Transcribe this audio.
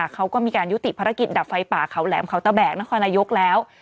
เขาก็มีการยุติภารกิจดับไฟป่าเขาแหลมเขาตะแบกนครนายกแล้ว